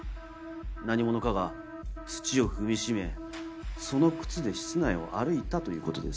何者かが土を踏みしめその靴で室内を歩いたということです。